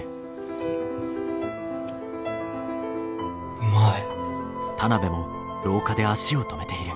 うまい。